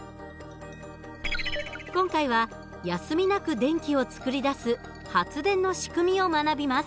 今回は休みなく電気を作り出す発電の仕組みを学びます。